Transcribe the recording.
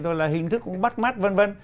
rồi là hình thức cũng bắt mắt v v